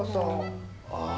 ああ。